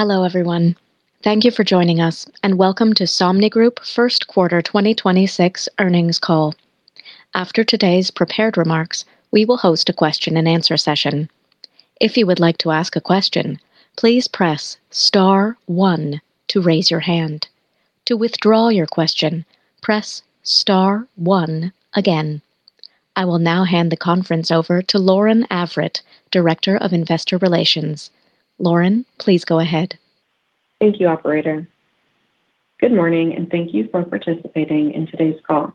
Hello, everyone. Thank you for joining us, and welcome to Somnigroup First Quarter 2026 Earnings Call. After today's prepared remarks, we will host a question and answer session. If you would like to ask a question, please press star one to raise your hand. To withdraw your question, press star one again. I will now hand the conference over to Lauren Avritt, Director of Investor Relations. Lauren, please go ahead. Thank you, operator. Good morning, and thank you for participating in today's call.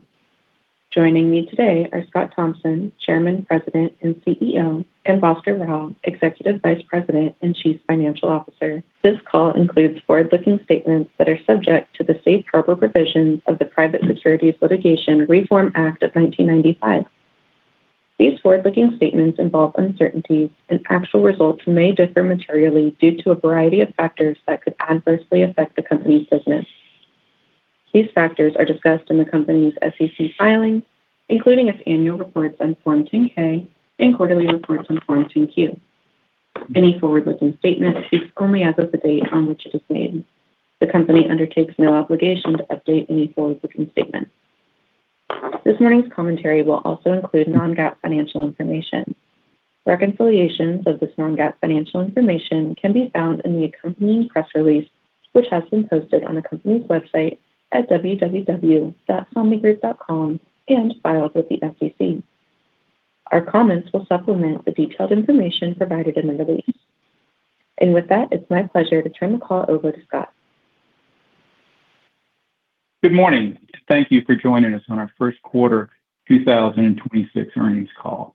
Joining me today are Scott Thompson, Chairman, President, and CEO, and Bhaskar Rao, Executive Vice President and Chief Financial Officer. This call includes forward-looking statements that are subject to the safe harbor provisions of the Private Securities Litigation Reform Act of 1995. These forward-looking statements involve uncertainties, and actual results may differ materially due to a variety of factors that could adversely affect the company's business. These factors are discussed in the company's SEC filings, including its annual reports on Form 10-K and quarterly reports on Form 10-Q. Any forward-looking statement speaks only as of the date on which it is made. The company undertakes no obligation to update any forward-looking statement. This morning's commentary will also include non-GAAP financial information. Reconciliations of this non-GAAP financial information can be found in the accompanying press release, which has been posted on the company's website at www.somnigroup.com and filed with the SEC. Our comments will supplement the detailed information provided in the release. With that, it's my pleasure to turn the call over to Scott. Good morning, thank you for joining us on our first quarter 2026 earnings call.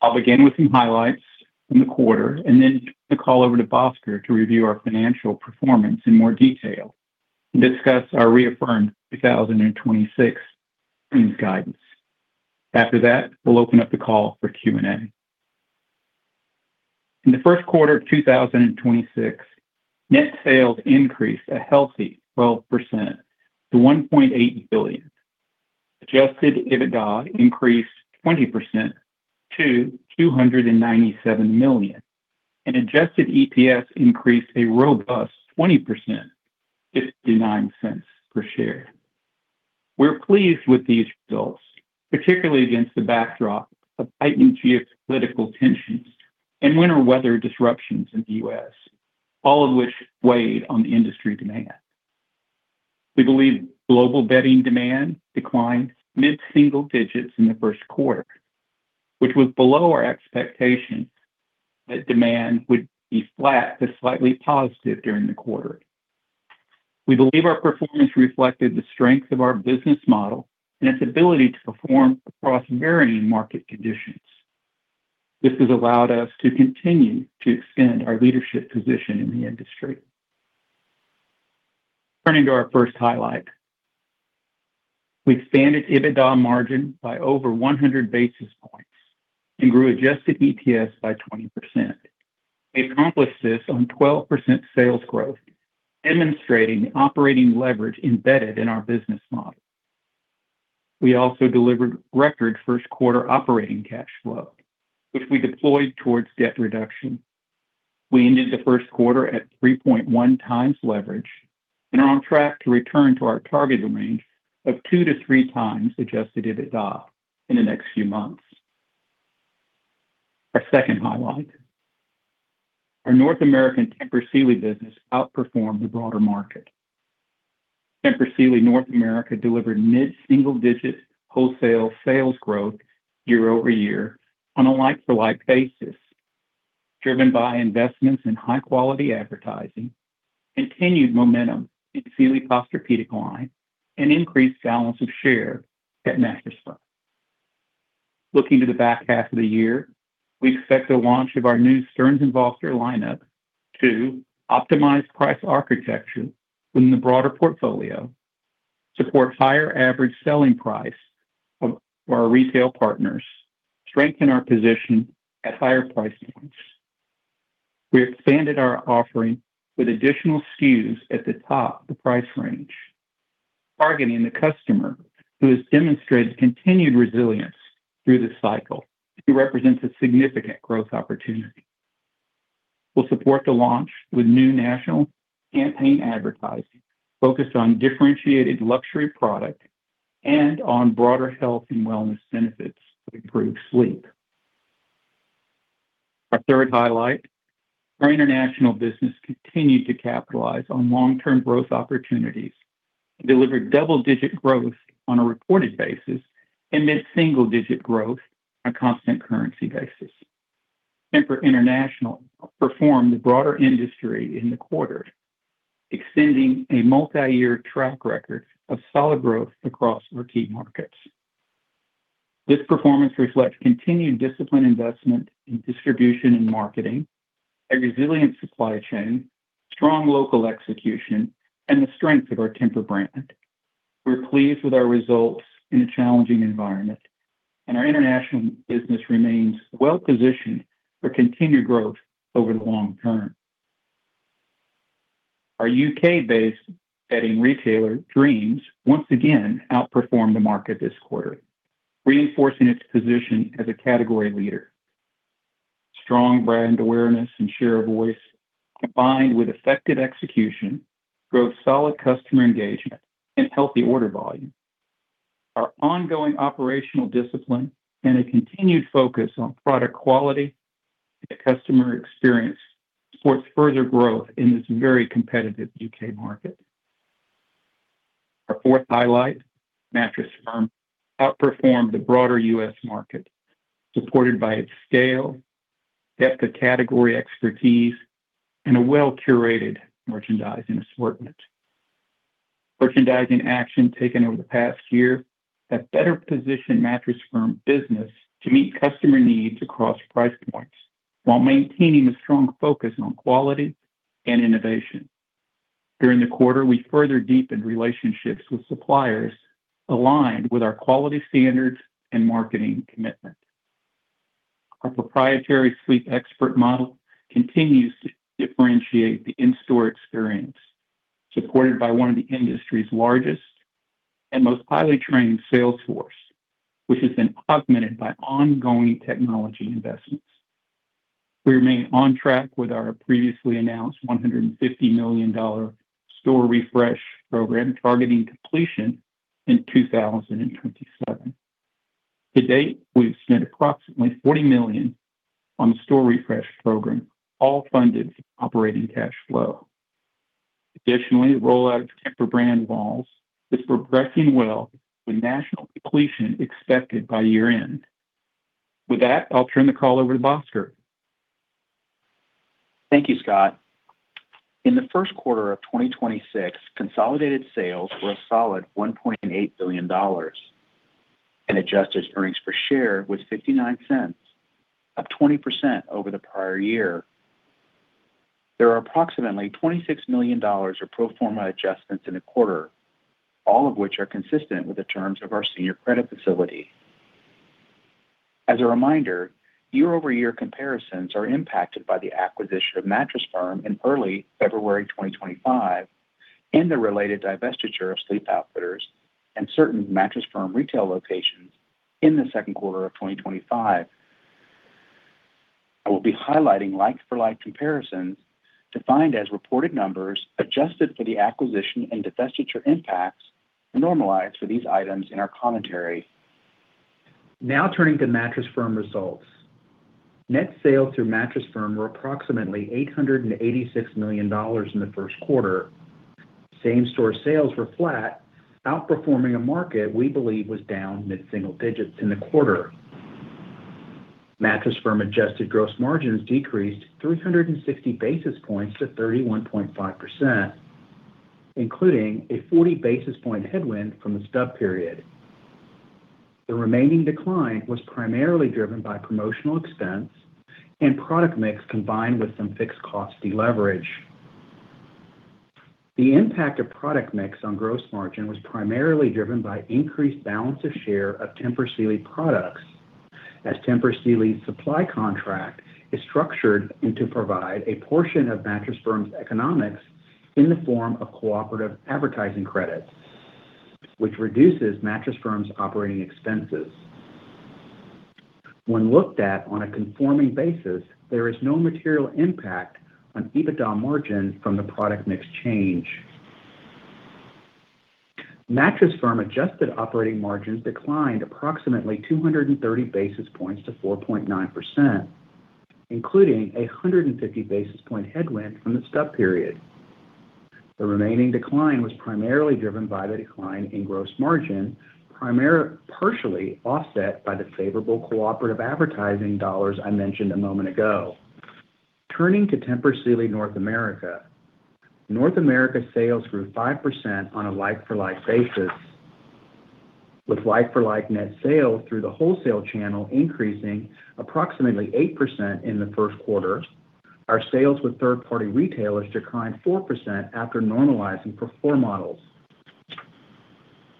I'll begin with some highlights from the quarter and then turn the call over to Bhaskar Rao to review our financial performance in more detail and discuss our reaffirmed 2026 earnings guidance. After that, we'll open up the call for Q&A. In the 1st quarter of 2026, net sales increased a healthy 12% to $1.8 billion. Adjusted EBITDA increased 20% to $297 million. Adjusted EPS increased a robust 20%, $0.59 per share. We're pleased with these results, particularly against the backdrop of heightened geopolitical tensions and winter weather disruptions in the U.S., all of which weighed on industry demand. We believe global bedding demand declined mid-single digits in the first quarter, which was below our expectation that demand would be flat to slightly positive during the quarter. We believe our performance reflected the strength of our business model and its ability to perform across varying market conditions. This has allowed us to continue to extend our leadership position in the industry. Turning to our first highlight. We expanded EBITDA margin by over 100 basis points and grew Adjusted EPS by 20%. We accomplished this on 12% sales growth, demonstrating the operating leverage embedded in our business model. We also delivered record first quarter operating cash flow, which we deployed towards debt reduction. We ended the first quarter at 3.1x leverage and are on track to return to our targeted range of 2-3x Adjusted EBITDA in the next few months. Our second highlight, our North American Tempur Sealy business outperformed the broader market. Tempur Sealy North America delivered mid-single digit wholesale sales growth year-over-year on a like-for-like basis, driven by investments in high-quality advertising, continued momentum in Sealy Posturepedic line, and increased balance of share at Mattress Firm. Looking to the back half of the year, we expect the launch of our new Stearns & Foster lineup to optimize price architecture within the broader portfolio, support higher average selling price of our retail partners, strengthen our position at higher price points. We expanded our offering with additional SKUs at the top of the price range, targeting the customer who has demonstrated continued resilience through this cycle who represents a significant growth opportunity. We'll support the launch with new national campaign advertising focused on differentiated luxury product and on broader health and wellness benefits with improved sleep. Our third highlight, our international business continued to capitalize on long-term growth opportunities and delivered double-digit growth on a reported basis and mid-single digit growth on a constant currency basis. Tempur International outperformed the broader industry in the quarter, extending a multi-year track record of solid growth across our key markets. This performance reflects continued disciplined investment in distribution and marketing, a resilient supply chain, strong local execution, and the strength of our Tempur-Pedic brand. We're pleased with our results in a challenging environment, and our international business remains well-positioned for continued growth over the long term. Our U.K.-based bedding retailer, Dreams, once again outperformed the market this quarter, reinforcing its position as a category leader. Strong brand awareness and share of voice, combined with effective execution, drove solid customer engagement and healthy order volume. Our ongoing operational discipline and a continued focus on product quality and customer experience supports further growth in this very competitive U.K. market. Our fourth highlight, Mattress Firm outperformed the broader U.S. market, supported by its scale, depth of category expertise, and a well-curated merchandise and assortment. Merchandising action taken over the past year have better positioned Mattress Firm business to meet customer needs across price points while maintaining a strong focus on quality and innovation. During the quarter, we further deepened relationships with suppliers aligned with our quality standards and marketing commitment. Our proprietary sleep expert model continues to differentiate the in-store experience, supported by 1 of the industry's largest and most highly trained sales force, which has been augmented by ongoing technology investments. We remain on track with our previously announced $150 million store refresh program, targeting completion in 2027. To date, we've spent approximately $40 million on the store refresh program, all funded operating cash flow. Additionally, rollout of Tempur-Pedic brand walls is progressing well with national completion expected by year-end. With that, I'll turn the call over to Bhaskar. Thank you, Scott. In the first quarter of 2026, consolidated sales were a solid $1.8 billion, and adjusted earnings per share was $0.59, up 20% over the prior year. There are approximately $26 million of pro forma adjustments in the quarter, all of which are consistent with the terms of our senior credit facility. As a reminder, year-over-year comparisons are impacted by the acquisition of Mattress Firm in early February 2025 and the related divestiture of Sleep Outfitters and certain Mattress Firm retail locations in the second quarter of 2025. I will be highlighting like-for-like comparisons defined as reported numbers, adjusted for the acquisition and divestiture impacts, normalized for these items in our commentary. Now turning to Mattress Firm results. Net sales through Mattress Firm were approximately $886 million in the first quarter. Same-store sales were flat, outperforming a market we believe was down mid-single digits in the quarter. Mattress Firm adjusted gross margins decreased 360 basis points to 31.5%, including a 40 basis point headwind from the stub period. The remaining decline was primarily driven by promotional expense and product mix, combined with some fixed cost deleverage. The impact of product mix on gross margin was primarily driven by increased balance of share of Tempur Sealy products, as Tempur Sealy's supply contract is structured and to provide a portion of Mattress Firm's economics in the form of cooperative advertising credit, which reduces Mattress Firm's operating expenses. When looked at on a conforming basis, there is no material impact on EBITDA margin from the product mix change. Mattress Firm adjusted operating margins declined approximately 230 basis points to 4.9%, including a 150 basis point headwind from the stub period. The remaining decline was primarily driven by the decline in gross margin, partially offset by the favorable cooperative advertising dollars I mentioned a moment ago. Turning to Tempur Sealy North America. North America sales grew 5% on a like-for-like basis, with like-for-like net sales through the wholesale channel increasing approximately 8% in the first quarter. Our sales with third-party retailers declined 4% after normalizing for floor models.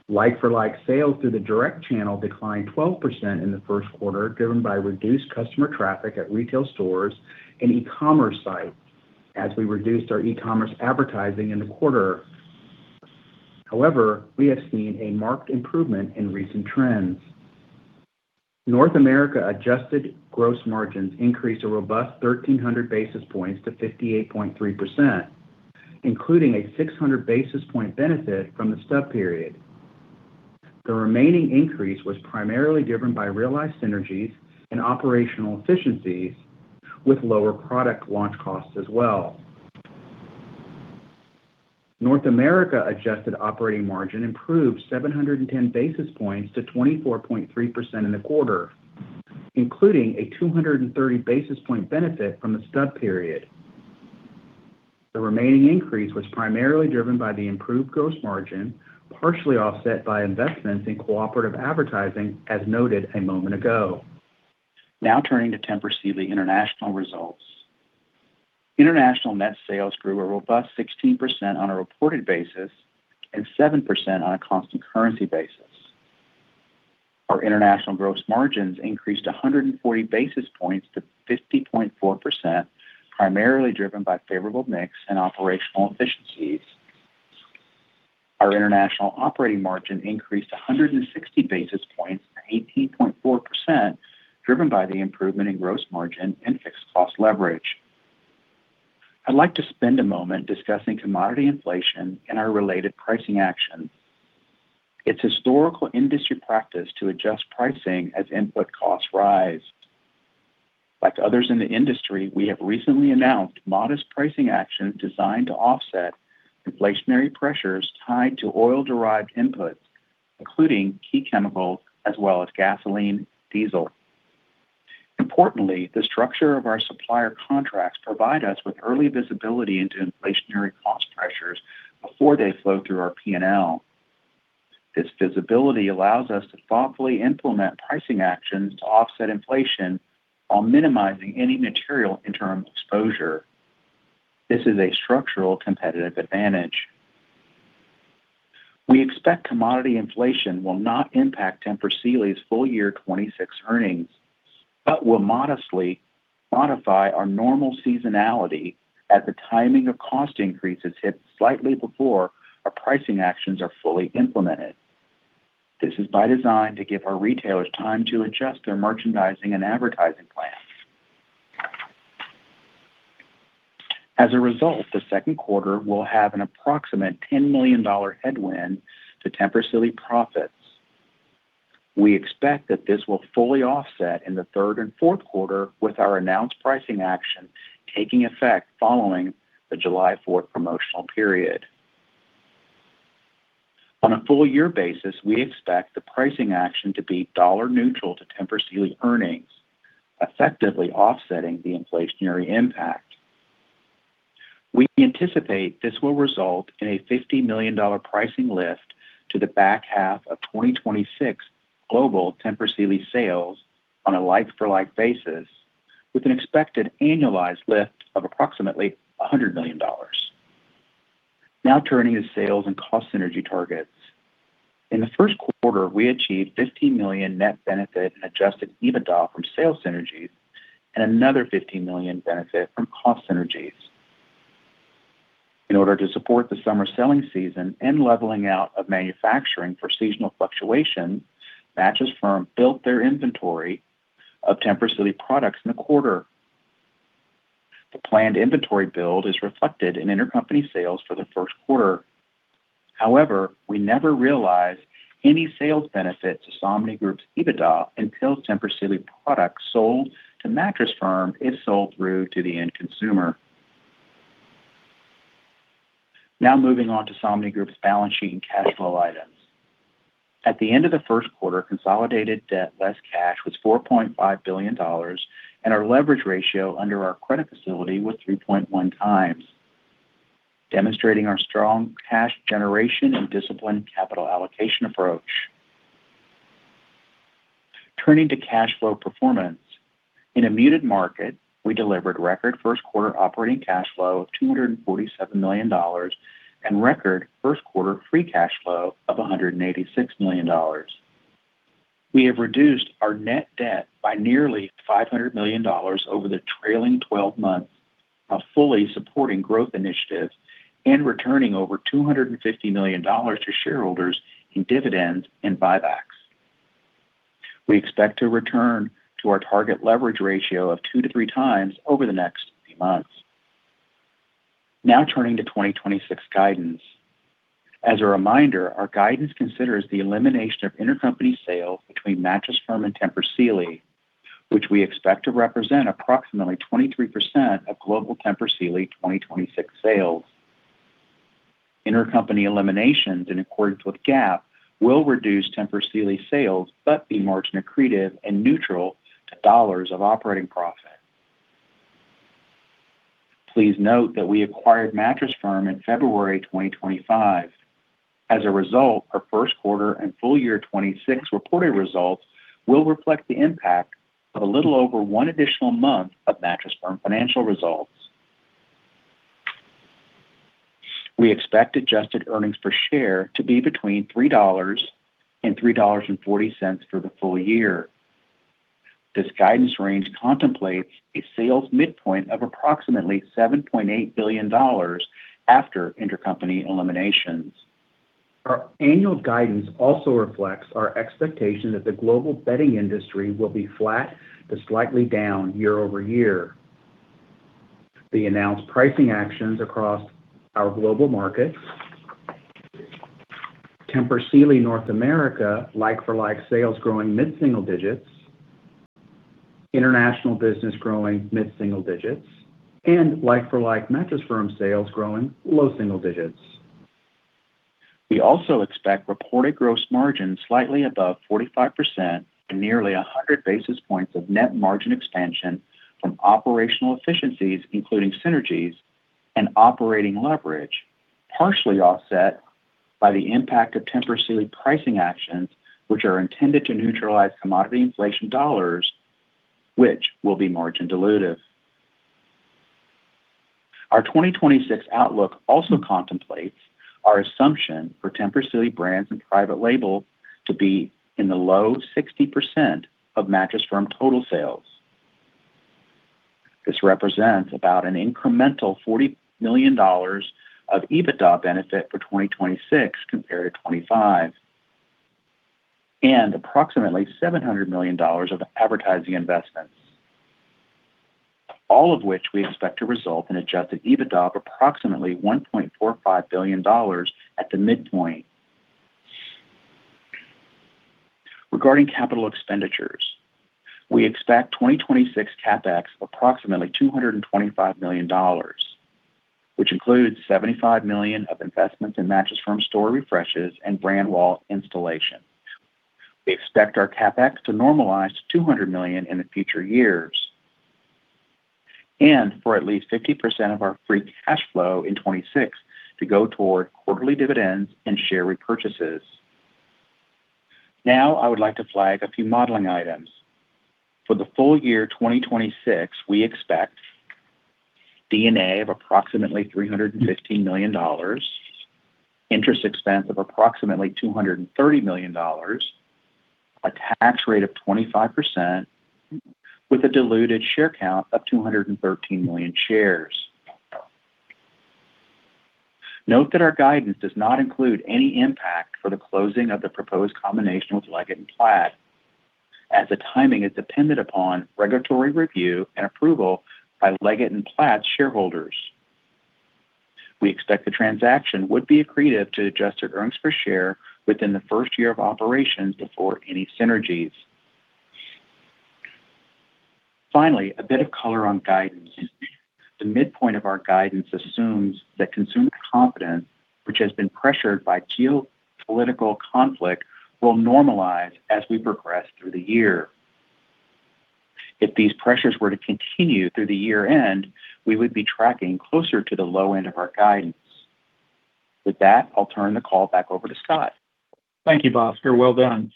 Like-for-like sales through the direct channel declined 12% in the first quarter, driven by reduced customer traffic at retail stores and e-commerce site as we reduced our e-commerce advertising in the quarter. However, we have seen a marked improvement in recent trends. North America adjusted gross margins increased a robust 1,300 basis points to 58.3%, including a 600 basis point benefit from the stub period. The remaining increase was primarily driven by realized synergies and operational efficiencies, with lower product launch costs as well. North America adjusted operating margin improved 710 basis points to 24.3% in the quarter, including a 230 basis point benefit from the stub period. The remaining increase was primarily driven by the improved gross margin, partially offset by investments in cooperative advertising, as noted a moment ago. Turning to Tempur Sealy International results. International net sales grew a robust 16% on a reported basis and 7% on a constant currency basis. Our international gross margins increased 140 basis points to 50.4%, primarily driven by favorable mix and operational efficiencies. Our international operating margin increased 160 basis points to 18.4%, driven by the improvement in gross margin and fixed cost leverage. I'd like to spend a moment discussing commodity inflation and our related pricing action. It's historical industry practice to adjust pricing as input costs rise. Like others in the industry, we have recently announced modest pricing action designed to offset inflationary pressures tied to oil-derived inputs, including key chemicals as well as gasoline, diesel. Importantly, the structure of our supplier contracts provide us with early visibility into inflationary cost pressures before they flow through our P&L. This visibility allows us to thoughtfully implement pricing actions to offset inflation while minimizing any material interim exposure. This is a structural competitive advantage. We expect commodity inflation will not impact Tempur Sealy's full year 2026 earnings, but will modestly modify our normal seasonality as the timing of cost increases hit slightly before our pricing actions are fully implemented. This is by design to give our retailers time to adjust their merchandising and advertising plans. As a result, the second quarter will have an approximate $10 million headwind to Tempur Sealy profits. We expect that this will fully offset in the third and fourth quarter with our announced pricing action taking effect following the July fourth promotional period. On a full year basis, we expect the pricing action to be dollar neutral to Tempur Sealy earnings, effectively offsetting the inflationary impact. We anticipate this will result in a $50 million pricing lift to the back half of 2026 global Tempur Sealy sales on a like-for-like basis with an expected annualized lift of approximately $100 million. Now, turning to sales and cost synergy targets. In the first quarter, we achieved $15 million net benefit and Adjusted EBITDA from sales synergies and another $15 million benefit from cost synergies. In order to support the summer selling season and leveling out of manufacturing for seasonal fluctuation, Mattress Firm built their inventory of Tempur Sealy products in the quarter. The planned inventory build is reflected in intercompany sales for the first quarter. However, we never realized any sales benefit to Somnigroup's EBITDA until Tempur Sealy products sold to Mattress Firm is sold through to the end consumer. Now, moving on to Somnigroup's balance sheet and cash flow items. At the end of the first quarter, consolidated debt, less cash, was $4.5 billion, and our leverage ratio under our credit facility was 3.1 times, demonstrating our strong cash generation and disciplined capital allocation approach. Turning to cash flow performance. In a muted market, we delivered record first quarter operating cash flow of $247 million and record first quarter free cash flow of $186 million. We have reduced our net debt by nearly $500 million over the trailing 12 months of fully supporting growth initiatives and returning over $250 million to shareholders in dividends and buybacks. We expect to return to our target leverage ratio of 2-3 times over the next few months. Turning to 2026 guidance. As a reminder, our guidance considers the elimination of intercompany sale between Mattress Firm and Tempur Sealy, which we expect to represent approximately 23% of global Tempur Sealy 2026 sales. Intercompany eliminations in accordance with GAAP will reduce Tempur Sealy sales, but be margin accretive and neutral to dollars of operating profit. Please note that we acquired Mattress Firm in February 2025. As a result, our first quarter and full year 2026 reported results will reflect the impact of a little over 1 additional month of Mattress Firm financial results. We expect adjusted earnings per share to be between $3.00 and $3.40 for the full year. This guidance range contemplates a sales midpoint of approximately $7.8 billion after intercompany eliminations. Our annual guidance also reflects our expectation that the global bedding industry will be flat to slightly down year-over-year. The announced pricing actions across our global markets, Tempur Sealy North America like-for-like sales growing mid-single digits, international business growing mid-single digits, and like-for-like Mattress Firm sales growing low single digits. We also expect reported gross margin slightly above 45% and nearly 100 basis points of net margin expansion from operational efficiencies, including synergies and operating leverage, partially offset by the impact of Tempur Sealy pricing actions, which are intended to neutralize commodity inflation dollars, which will be margin dilutive. Our 2026 outlook also contemplates our assumption for Tempur Sealy brands and private label to be in the low 60% of Mattress Firm total sales. This represents about an incremental $40 million of EBITDA benefit for 2026 compared to 2025, and approximately $700 million of advertising investments. All of which we expect to result in Adjusted EBITDA of approximately $1.45 billion at the midpoint. Regarding capital expenditures, we expect 2026 CapEx approximately $225 million, which includes $75 million of investments in Mattress Firm store refreshes and brand wall installation. We expect our CapEx to normalize to $200 million in the future years and for at least 50% of our free cash flow in 2026 to go toward quarterly dividends and share repurchases. Now I would like to flag a few modeling items. For the full year 2026, we expect D&A of approximately $315 million, interest expense of approximately $230 million, a tax rate of 25% with a diluted share count of 213 million shares. Note that our guidance does not include any impact for the closing of the proposed combination with Leggett & Platt, as the timing is dependent upon regulatory review and approval by Leggett & Platt shareholders. We expect the transaction would be accretive to adjusted earnings per share within the first year of operations before any synergies. Finally, a bit of color on guidance. The midpoint of our guidance assumes that consumer confidence, which has been pressured by geopolitical conflict, will normalize as we progress through the year. If these pressures were to continue through the year-end, we would be tracking closer to the low end of our guidance. With that, I'll turn the call back over to Scott. Thank you, Bhaskar. Well done.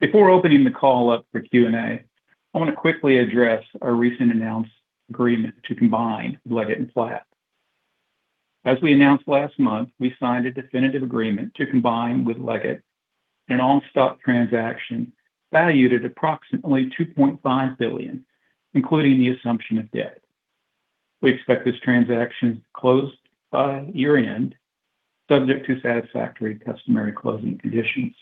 Before opening the call up for Q&A, I wanna quickly address our recent announced agreement to combine Leggett & Platt. As we announced last month, we signed a definitive agreement to combine with Leggett, an all-stock transaction valued at approximately $2.5 billion, including the assumption of debt. We expect this transaction to close by year-end, subject to satisfactory customary closing conditions.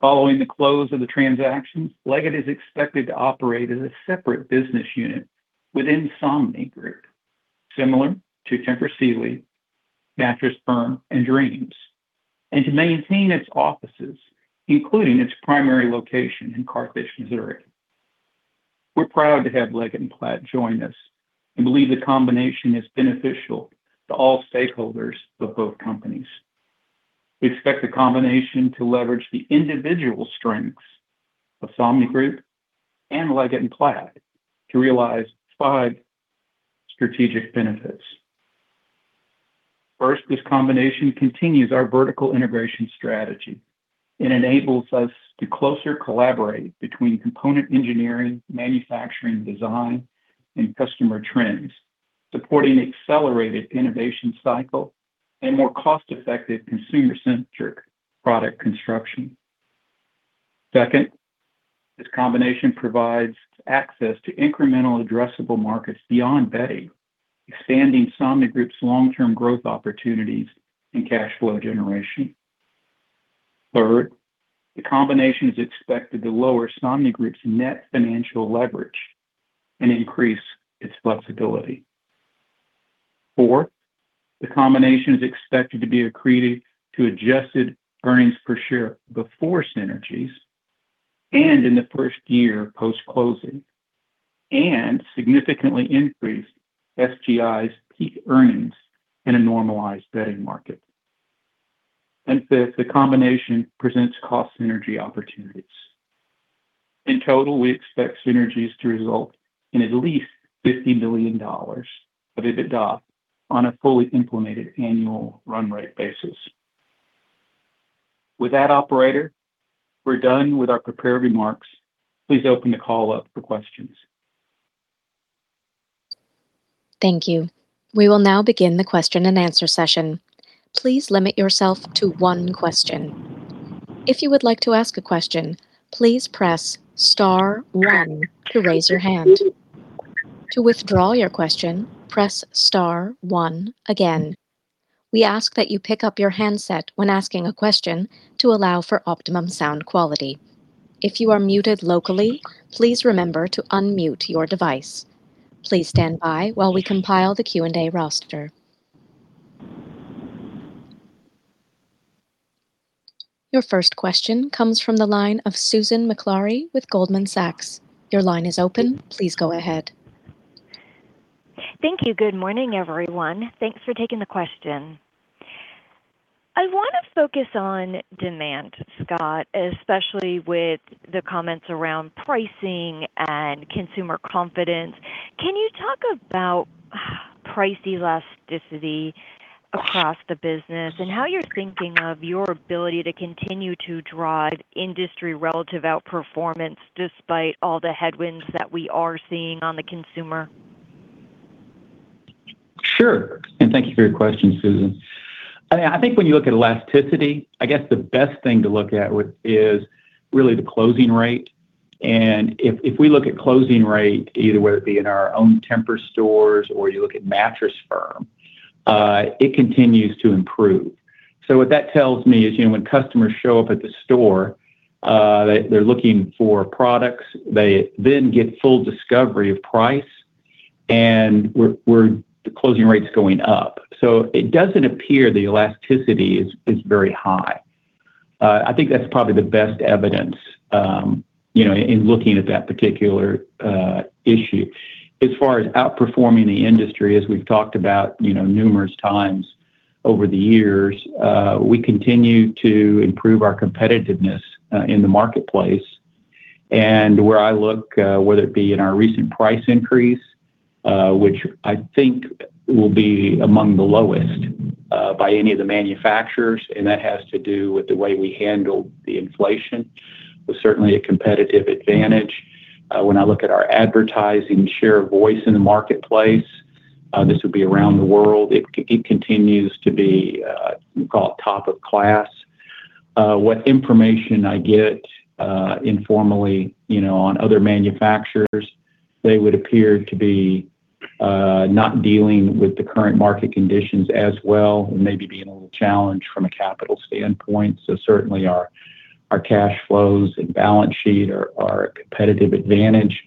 Following the close of the transaction, Leggett is expected to operate as a separate business unit within Somnigroup, similar to Tempur Sealy, Mattress Firm, and Dreams, and to maintain its offices, including its primary location in Carthage, Missouri. We're proud to have Leggett & Platt join us and believe the combination is beneficial to all stakeholders of both companies. We expect the combination to leverage the individual strengths of Somnigroup and Leggett & Platt to realize five strategic benefits. First, this combination continues our vertical integration strategy and enables us to closer collaborate between component engineering, manufacturing design, and customer trends, supporting accelerated innovation cycle and more cost-effective consumer-centric product construction. Second, this combination provides access to incremental addressable markets beyond bedding, expanding Somnigroup's long-term growth opportunities and cash flow generation. Third, the combination is expected to lower Somnigroup's net financial leverage and increase its flexibility. Four, the combination is expected to be accretive to adjusted earnings per share before synergies and in the first year post-closing, and significantly increase SGI's peak earnings in a normalized bedding market. Fifth, the combination presents cost synergy opportunities. In total, we expect synergies to result in at least $50 million of EBITDA on a fully implemented annual run rate basis. With that, operator, we're done with our prepared remarks. Please open the call up for questions. Thank you. We will now begin the question-and-answer session. Please limit yourself to one question. If you would like to ask a question, please press star one to raise your hand. To withdraw your question, press star one again. We ask that you pick up your handset when asking a question to allow for optimum sound quality. If you are muted locally, please remember to unmute your device. Please stand by while we compile the Q&A roster. Your first question comes from the line of Susan Maklari with Goldman Sachs. Your line is open. Please go ahead. Thank you. Good morning, everyone. Thanks for taking the question. I wanna focus on demand, Scott, especially with the comments around pricing and consumer confidence. Can you talk about price elasticity across the business and how you're thinking of your ability to continue to drive industry relative outperformance despite all the headwinds that we are seeing on the consumer? Sure. Thank you for your question, Susan. I mean, I think when you look at elasticity, I guess the best thing to look at is really the closing rate. If we look at closing rate, either whether it be in our own Tempur-Pedic stores or you look at Mattress Firm, it continues to improve. What that tells me is, you know, when customers show up at the store, they're looking for products. They then get full discovery of price, the closing rate's going up. It doesn't appear the elasticity is very high. I think that's probably the best evidence, you know, in looking at that particular issue. As far as outperforming the industry, as we've talked about, you know, numerous times over the years, we continue to improve our competitiveness in the marketplace. Where I look, whether it be in our recent price increase, which I think will be among the lowest by any of the manufacturers, and that has to do with the way we handle the inflation, was certainly a competitive advantage. When I look at our advertising share of voice in the marketplace, this would be around the world, it continues to be, call it top of class. What information I get, informally, you know, on other manufacturers, they would appear to be not dealing with the current market conditions as well, maybe being a little challenged from a capital standpoint. Certainly our cash flows and balance sheet are a competitive advantage.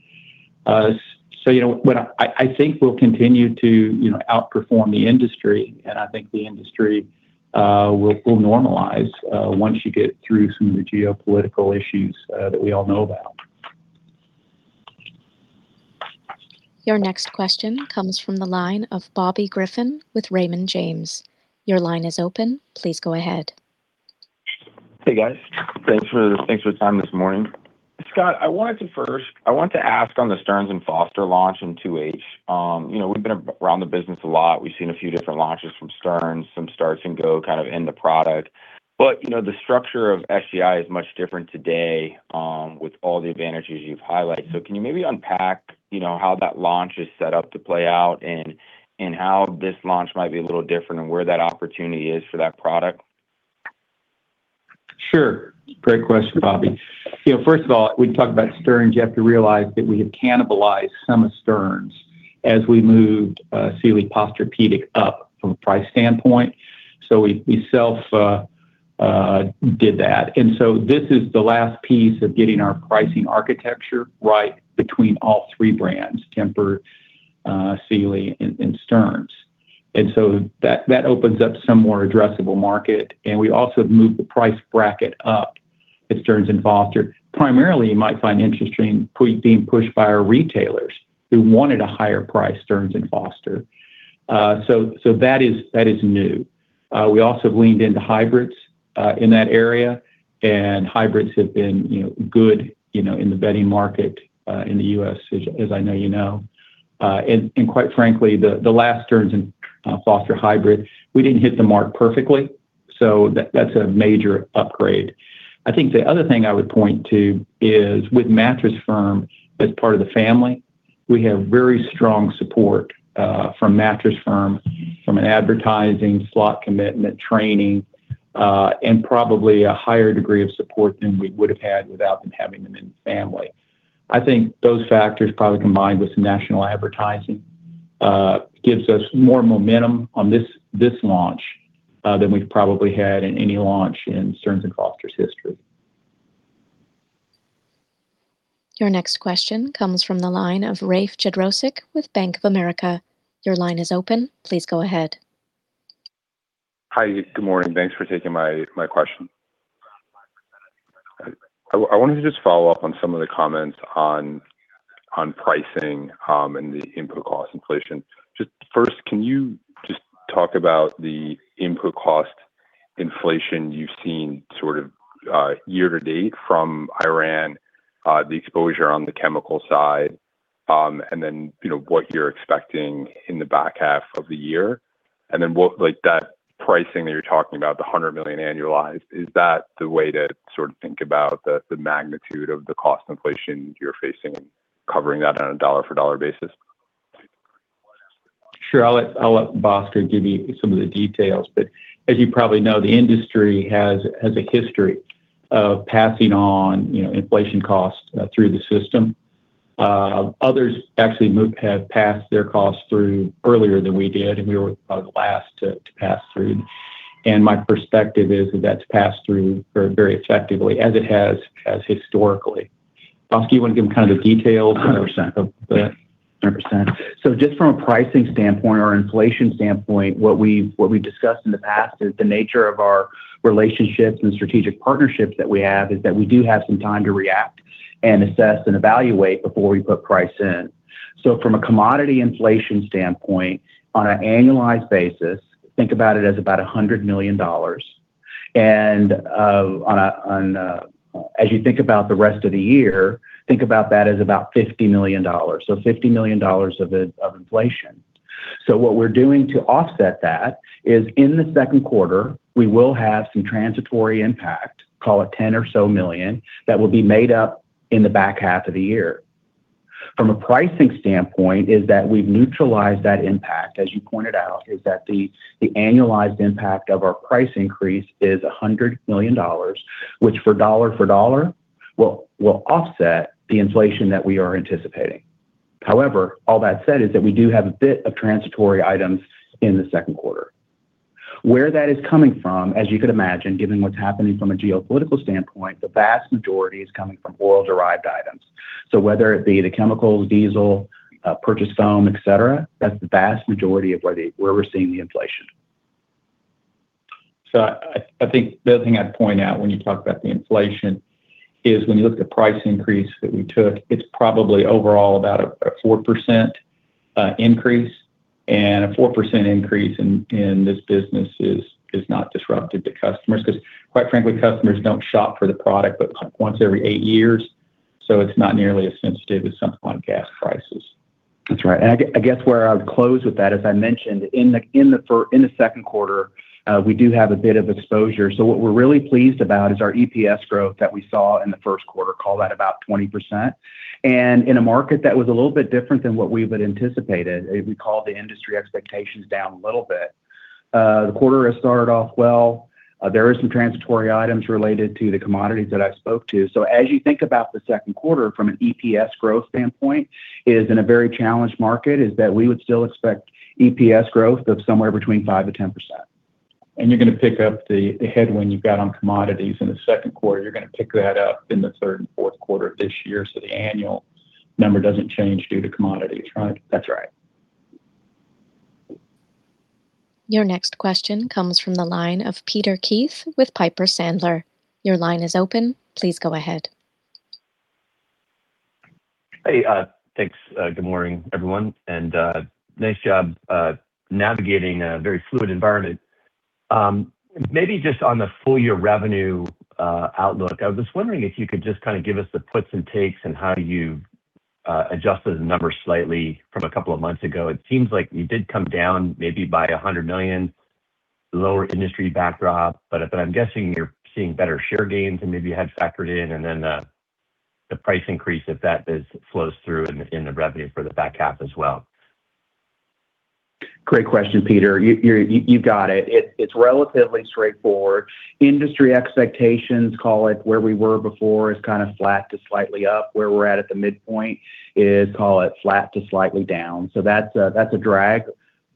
You know, what I think we'll continue to, you know, outperform the industry, and I think the industry will normalize once you get through some of the geopolitical issues that we all know about. Your next question comes from the line of Bobby Griffin with Raymond James. Your line is open. Please go ahead. Hey, guys. Thanks for this. Thanks for your time this morning. Scott, I want to ask on the Stearns & Foster launch in 2H. You know, we've been around the business a lot. We've seen a few different launches from Stearns, some starts and go kind of end product. You know, the structure of SGI is much different today with all the advantages you've highlighted. Can you maybe unpack, you know, how that launch is set up to play out and how this launch might be a little different and where that opportunity is for that product? Sure. Great question, Bobby. You know, first of all, we talked about Stearns. You have to realize that we have cannibalized some of Stearns as we moved Sealy Posturepedic up from a price standpoint. We self did that. This is the last piece of getting our pricing architecture right between all three brands, Tempur-Pedic, Sealy, and Stearns. That opens up some more addressable market, and we also have moved the price bracket up at Stearns & Foster. Primarily, you might find interesting, we're being pushed by our retailers who wanted a higher price Stearns & Foster. That is new. We also have leaned into hybrids in that area, and hybrids have been, you know, good, you know, in the bedding market in the U.S., as I know you know. Quite frankly, the last Stearns & Foster hybrid, we didn't hit the mark perfectly, so that's a major upgrade. I think the other thing I would point to is with Mattress Firm as part of the family, we have very strong support from Mattress Firm from an advertising, slot commitment, training, and probably a higher degree of support than we would have had without them having them in the family. I think those factors probably combined with some national advertising, gives us more momentum on this launch than we've probably had in any launch in Stearns & Foster's history. Your next question comes from the line of Rafe Jadrosich with Bank of America. Your line is open. Please go ahead. Hi. Good morning. Thanks for taking my question. I wanted to just follow up on some of the comments on pricing and the input cost inflation. Just first, can you just talk about the input cost inflation you've seen sort of year-to-date from Iran, the exposure on the chemical side, and then, you know, what you're expecting in the back half of the year? Then what like that pricing that you're talking about, the $100 million annualized, is that the way to sort of think about the magnitude of the cost inflation you're facing, covering that on a dollar for dollar basis? Sure. I'll let Bhaskar give you some of the details. As you probably know, the industry has a history of passing on, you know, inflation costs through the system. Others actually have passed their costs through earlier than we did, and we were last to pass through. My perspective is that that's passed through very, very effectively, as it has historically. Bhask, you wanna give him kind of the details? 100%. 100%. Just from a pricing standpoint or inflation standpoint, what we've discussed in the past is the nature of our relationships and strategic partnerships that we have is that we do have some time to react and assess and evaluate before we put price in. From a commodity inflation standpoint, on an annualized basis, think about it as about $100 million. As you think about the rest of the year, think about that as about $50 million, so $50 million of inflation. What we're doing to offset that is in the second quarter, we will have some transitory impact, call it $10 million or so, that will be made up in the back half of the year. From a pricing standpoint is that we've neutralized that impact. As you pointed out, is that the annualized impact of our price increase is $100 million, which for dollar for dollar will offset the inflation that we are anticipating. All that said is that we do have a bit of transitory items in the 2nd quarter. Where that is coming from, as you could imagine, given what's happening from a geopolitical standpoint, the vast majority is coming from oil-derived items. Whether it be the chemicals, diesel, purchased foam, et cetera, that's the vast majority of where we're seeing the inflation. I think the other thing I'd point out when you talk about the inflation is when you look at the price increase that we took, it's probably overall about a 4% increase. A 4% increase in this business is not disruptive to customers because quite frankly, customers don't shop for the product but once every 8 years. It's not nearly as sensitive as something like gas prices. That's right. I guess where I would close with that, as I mentioned, in the second quarter, we do have a bit of exposure. What we're really pleased about is our EPS growth that we saw in the first quarter, call that about 20%. In a market that was a little bit different than what we would anticipated, we called the industry expectations down a little bit. The quarter has started off well. There is some transitory items related to the commodities that I spoke to. As you think about the second quarter from an EPS growth standpoint is in a very challenged market, is that we would still expect EPS growth of somewhere between 5%-10%. You're gonna pick up the headwind you've got on commodities in the second quarter. You're gonna pick that up in the third and fourth quarter of this year, so the annual number doesn't change due to commodities, right? That's right. Your next question comes from the line of Peter Keith with Piper Sandler. Your line is open. Please go ahead. Hey, thanks. Good morning, everyone. Nice job navigating a very fluid environment. Maybe just on the full year revenue outlook, I was just wondering if you could just kind of give us the puts and takes on how you've adjusted the numbers slightly from a couple of months ago. It seems like you did come down maybe by $100 million, lower industry backdrop. I'm guessing you're seeing better share gains than maybe you had factored in, and then the price increase, if that is, flows through in the revenue for the back half as well. Great question, Peter. You've got it. It's relatively straightforward. Industry expectations, call it where we were before, is kind of flat to slightly up. Where we're at the midpoint is, call it flat to slightly down. That's a drag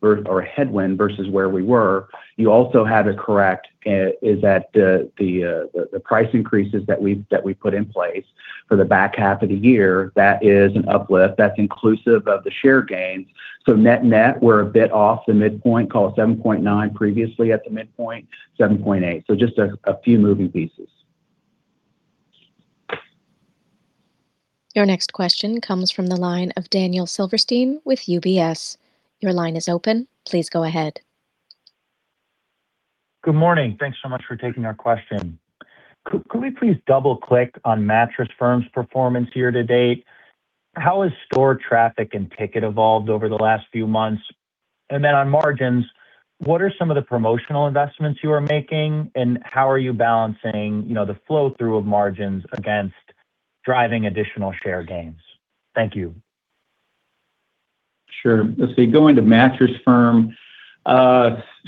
or a headwind versus where we were. You also had it correct is that the price increases that we put in place for the back half of the year, that is an uplift. That's inclusive of the share gains. Net-net, we're a bit off the midpoint, call it 7.9 previously at the midpoint, 7.8. Just a few moving pieces. Your next question comes from the line of Dan Silverstein with UBS. Your line is open. Please go ahead. Good morning. Thanks so much for taking our question. Could we please double-click on Mattress Firm's performance year to date? How has store traffic and ticket evolved over the last few months? Then on margins, what are some of the promotional investments you are making, and how are you balancing, you know, the flow-through of margins against driving additional share gains? Thank you. Sure. Let's see. Going to Mattress Firm,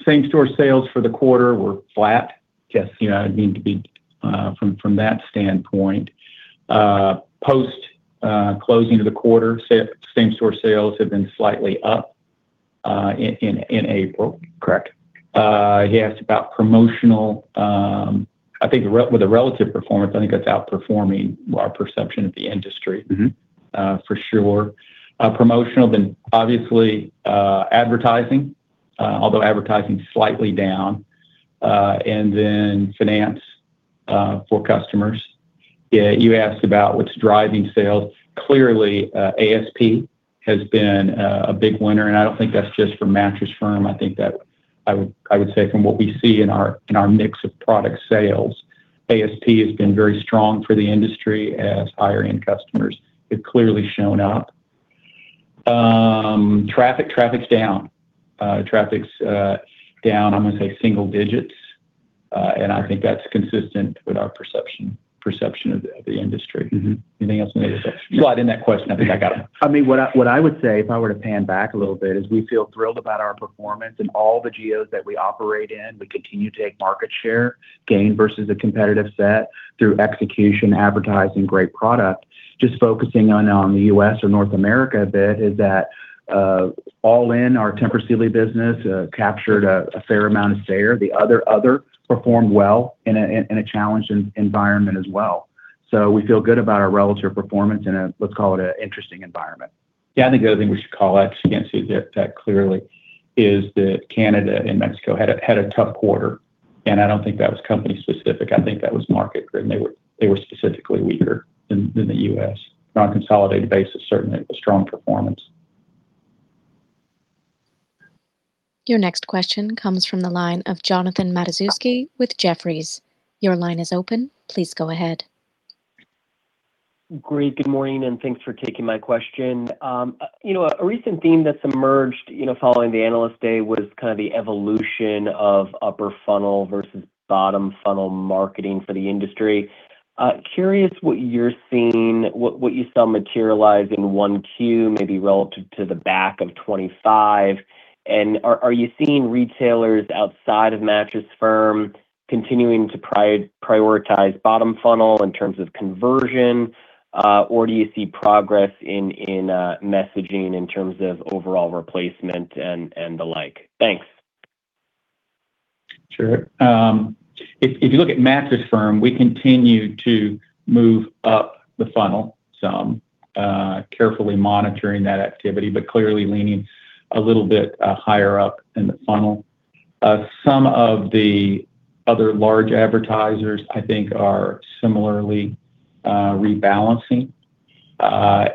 same-store sales for the quarter were flat. Guess, you know, I'd need to be from that standpoint. Post closing of the quarter, same-store sales have been slightly up in April. Correct. He asked about promotional. I think with the relative performance, I think that's outperforming our perception of the industry. For sure. Promotional then obviously, advertising, although advertising's slightly down, and then finance for customers. Yeah, you asked about what's driving sales. Clearly, ASP has been a big winner, and I don't think that's just for Mattress Firm. I would say from what we see in our, in our mix of product sales, ASP has been very strong for the industry as higher-end customers have clearly shown up. Traffic's down. Traffic's down, I'm gonna say single digits, and I think that's consistent with our perception of the industry. Anything else on that? Slide in that question, I think I got it. I mean, what I would say if I were to pan back a little bit is we feel thrilled about our performance in all the geos that we operate in. We continue to take market share gain versus a competitive set through execution, advertising great product. Just focusing on the U.S. or North America a bit is that all in, our Tempur Sealy business captured a fair amount of share. The other performed well in a challenged environment as well. We feel good about our relative performance in a, let's call it a interesting environment. I think the other thing we should call out, because you can't see the, that clearly, is that Canada and Mexico had a tough quarter, and I don't think that was company specific. I think that was market-driven. They were, they were specifically weaker than the U.S. On a consolidated basis, certainly a strong performance. Your next question comes from the line of Jonathan Matuszewski with Jefferies. Your line is open. Please go ahead. Great. Good morning, and thanks for taking my question. You know, a recent theme that's emerged, you know, following the Analyst Day was kind of the evolution of upper funnel versus bottom funnel marketing for the industry. Curious what you're seeing, what you saw materialize in 1Q, maybe relative to the back of 2025. Are you seeing retailers outside of Mattress Firm continuing to prioritize bottom funnel in terms of conversion? Do you see progress in messaging in terms of overall replacement and the like? Thanks. Sure. If, if you look at Mattress Firm, we continue to move up the funnel some, carefully monitoring that activity, but clearly leaning a little bit, higher up in the funnel. Some of the other large advertisers, I think, are similarly rebalancing. I'd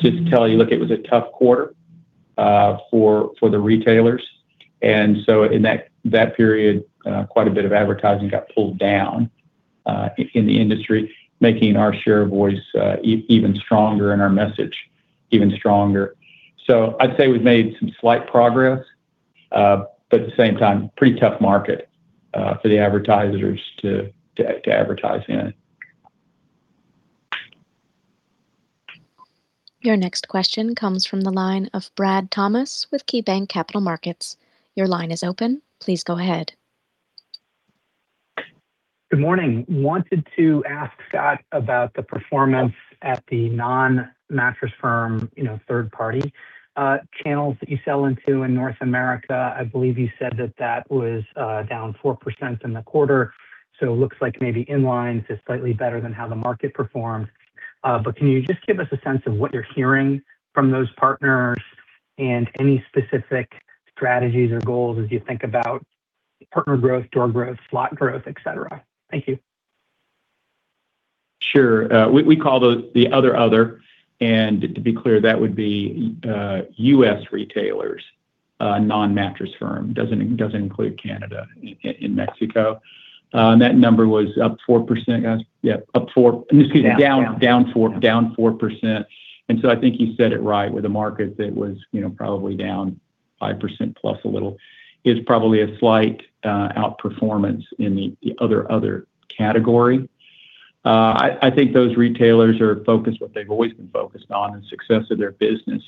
just tell you, look, it was a tough quarter for the retailers. In that period, quite a bit of advertising got pulled down in the industry, making our share of voice even stronger and our message even stronger. I'd say we've made some slight progress, but at the same time, pretty tough market for the advertisers to advertise in. Your next question comes from the line of Bradley Thomas with KeyBanc Capital Markets. Your line is open. Please go ahead. Good morning. Wanted to ask Scott about the performance at the non-Mattress Firm, you know, third party channels that you sell into in North America. I believe you said that that was down 4% in the quarter, so looks like maybe in lines is slightly better than how the market performed. Can you just give us a sense of what you're hearing from those partners and any specific strategies or goals as you think about partner growth, door growth, slot growth, et cetera? Thank you. Sure. We call those the other other, and to be clear, that would be U.S. retailers, non-Mattress Firm. Doesn't include Canada and Mexico. That number was up 4%, I guess. Yeah, up 4. Excuse me, down. Down. Down 4. Down 4%. I think you said it right, with a market that was, you know, probably down 5%+ a little, it's probably a slight outperformance in the other category. I think those retailers are focused what they've always been focused on, the success of their business,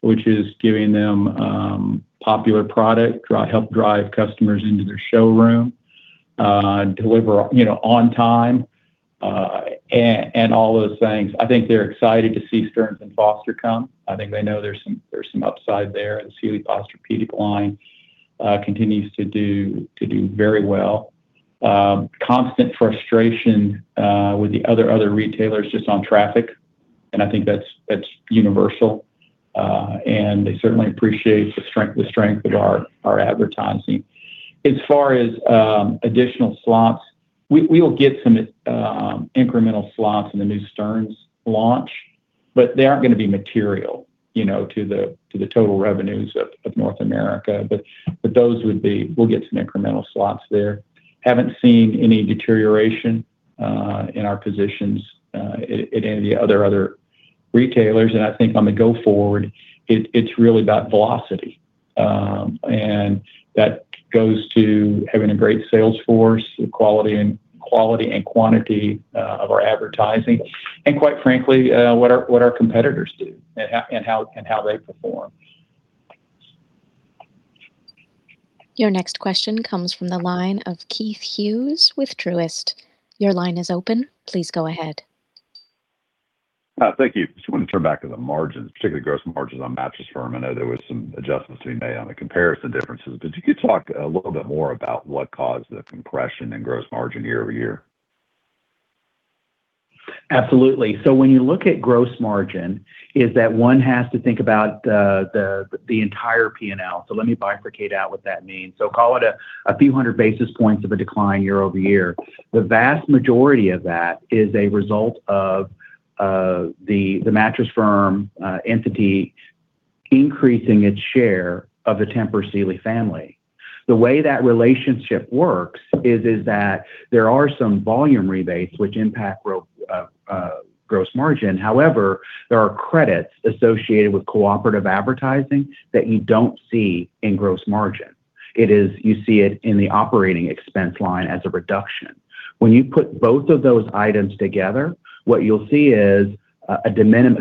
which is giving them popular product, help drive customers into their showroom, deliver, you know, on time, and all those things. I think they're excited to see Stearns & Foster come. I think they know there's some upside there. The Sealy Posturepedic line continues to do very well. Constant frustration with the other retailers just on traffic, and I think that's universal. They certainly appreciate the strength of our advertising. As far as additional slots, we will get some incremental slots in the new Stearns launch, but they aren't gonna be material, you know, to the total revenues of North America. We'll get some incremental slots there. Haven't seen any deterioration in our positions at any of the other retailers. I think on the go forward, it's really about velocity. That goes to having a great sales force, the quality and quantity of our advertising, and quite frankly, what our competitors do and how they perform. Your next question comes from the line of Keith Hughes with Truist. Your line is open. Please go ahead. Thank you. Just wanna turn back to the margins, particularly gross margins on Mattress Firm. I know there was some adjustments to be made on the comparison differences. Could you talk a little bit more about what caused the compression in gross margin year-over-year? Absolutely. When you look at gross margin, is that one has to think about the entire P&L. Let me bifurcate out what that means. Call it a few 100 basis points of a decline year-over-year. The vast majority of that is a result of the Mattress Firm entity increasing its share of the Tempur Sealy family. The way that relationship works is that there are some volume rebates which impact gross margin. However, there are credits associated with cooperative advertising that you don't see in gross margin. You see it in the operating expense line as a reduction. When you put both of those items together, what you'll see is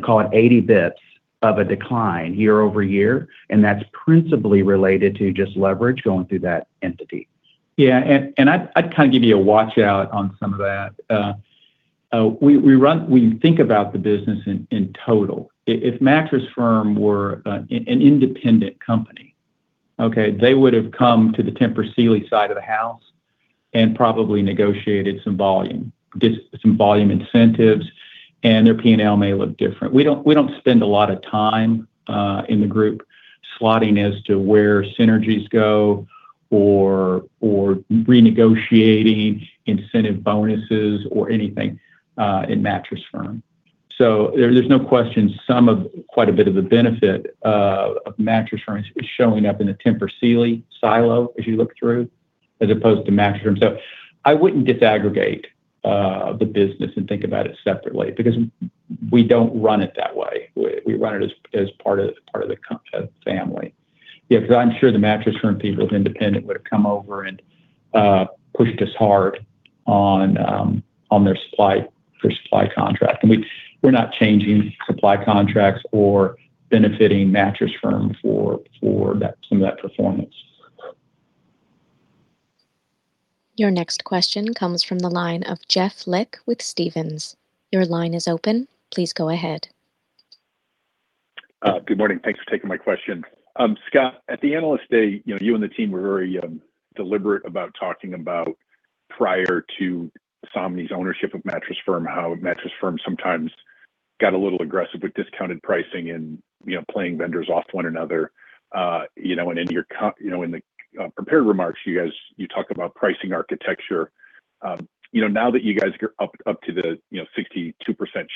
call it 80 basis points of a decline year-over-year. That's principally related to just leverage going through that entity. Yeah, I'd kind of give you a watch-out on some of that. We think about the business in total. If Mattress Firm were an independent company, okay, they would have come to the Tempur Sealy side of the house and probably negotiated some volume, did some volume incentives, and their P&L may look different. We don't spend a lot of time in the group slotting as to where synergies go or renegotiating incentive bonuses or anything in Mattress Firm. There's no question some of quite a bit of the benefit of Mattress Firm is showing up in the Tempur Sealy silo as you look through, as opposed to Mattress Firm. I wouldn't disaggregate the business and think about it separately because we don't run it that way. We run it as part of the family. Because I'm sure the Mattress Firm people of independent would have come over and pushed us hard on their supply contract. We're not changing supply contracts or benefiting Mattress Firm for that, some of that performance. Your next question comes from the line of Jeff Lick with Stephens. Your line is open. Please go ahead. Good morning. Thanks for taking my question. Scott, at the Analyst Day, you know, you and the team were very deliberate about talking about prior to Somni's ownership of Mattress Firm, how Mattress Firm sometimes got a little aggressive with discounted pricing and, you know, playing vendors off one another. You know, in your, you know, in the prepared remarks, you guys, you talk about pricing architecture. You know, now that you guys are up to the, you know, 62%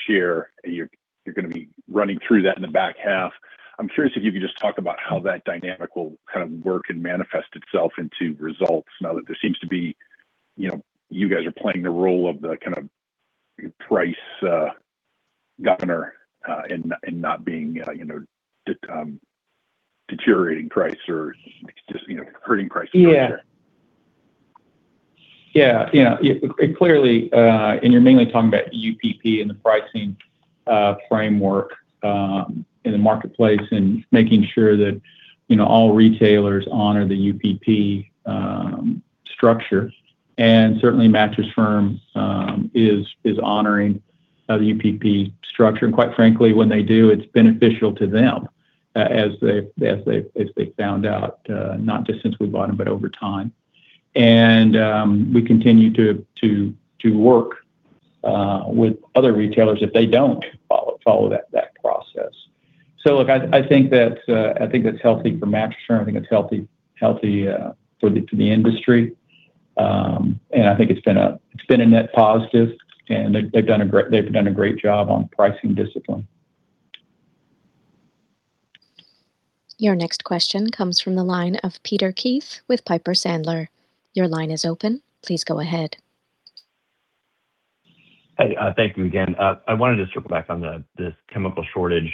share, and you're gonna be running through that in the back half, I'm curious if you could just talk about how that dynamic will kind of work and manifest itself into results now that there seems to be, you know, you guys are playing the role of the kind of price governor, and not being, you know, deteriorating price or just, you know, hurting price structure. Yeah. Yeah, yeah. It clearly. You're mainly talking about UPP and the pricing framework in the marketplace and making sure that, you know, all retailers honor the UPP structure. Certainly, Mattress Firm is honoring the UPP structure. Quite frankly, when they do, it's beneficial to them, as they found out, not just since we bought them, but over time. We continue to work with other retailers if they don't follow that process. Look, I think that I think that's healthy for Mattress Firm, I think it's healthy to the industry. I think it's been a net positive, and they've done a great job on pricing discipline. Your next question comes from the line of Peter Keith with Piper Sandler. Your line is open. Please go ahead. Hey, thank you again. I wanted to circle back on this chemical shortage.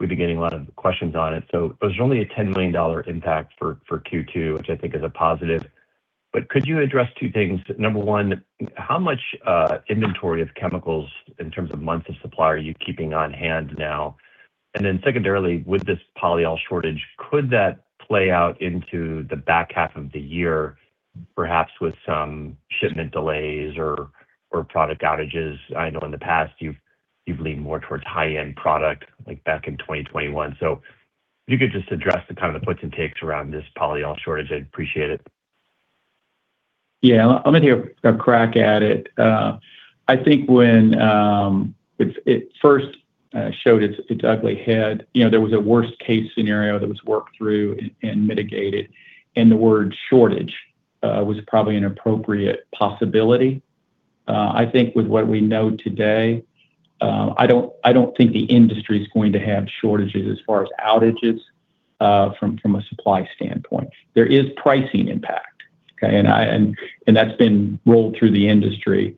We've been getting a lot of questions on it. It was only a $10 million impact for Q2, which I think is a positive. Could you address 2 things? Number one, how much inventory of chemicals in terms of months of supply are you keeping on hand now? Secondarily, with this polyol shortage, could that play out into the back half of the year, perhaps with some shipment delays or product outages? I know in the past you've leaned more towards high-end product, like back in 2021. If you could just address the kind of the puts and takes around this polyol shortage, I'd appreciate it. Yeah. I'm gonna take a crack at it. I think when it first showed its ugly head, you know, there was a worst case scenario that was worked through and mitigated, and the word shortage was probably an appropriate possibility. I think with what we know today, I don't think the industry is going to have shortages as far as outages from a supply standpoint. There is pricing impact, okay. That's been rolled through the industry.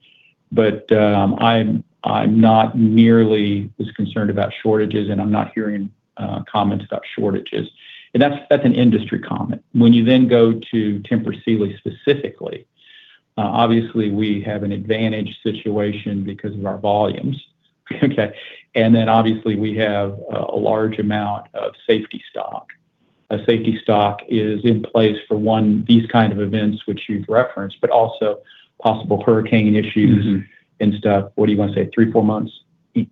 I'm not nearly as concerned about shortages, and I'm not hearing comments about shortages. That's an industry comment. When you then go to Tempur Sealy specifically, obviously, we have an advantage situation because of our volumes, okay. Then obviously, we have a large amount of safety stock. A safety stock is in place for one, these kind of events which you've referenced, but also possible hurricane issues. Stuff. What are you gonna say? Three, four months?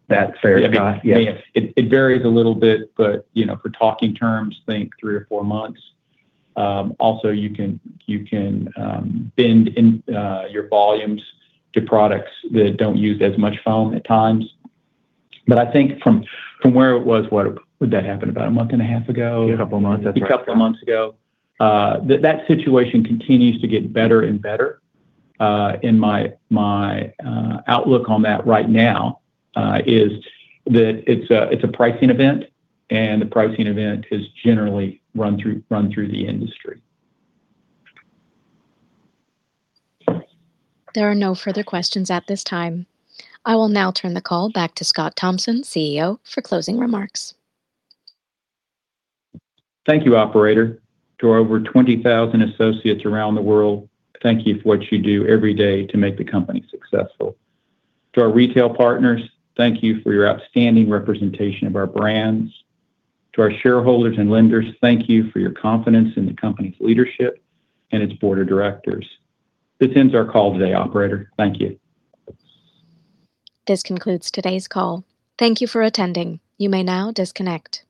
That's fair, yeah. Yeah. It varies a little bit, but, you know, for talking terms, think 3 or 4 months. Also you can bend in your volumes to products that don't use as much foam at times. I think from where it was, when that happened, about 1 and a half months ago? A couple of months. That's right. A couple of months ago. That situation continues to get better and better. My outlook on that right now is that it's a pricing event, and the pricing event is generally run through the industry. There are no further questions at this time. I will now turn the call back to Scott Thompson, CEO, for closing remarks. Thank you, operator. To our over 20,000 associates around the world, thank you for what you do every day to make the company successful. To our retail partners, thank you for your outstanding representation of our brands. To our shareholders and lenders, thank you for your confidence in the company's leadership and its board of directors. This ends our call today, operator. Thank you. This concludes today's call. Thank you for attending. You may now disconnect.